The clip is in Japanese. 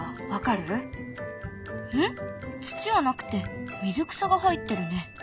土はなくて水草が入ってるね。